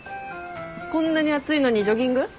こんなに暑いのにジョギング？